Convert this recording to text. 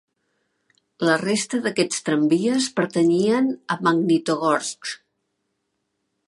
La resta d'aquests tramvies pertanyien a Magnitogorsk.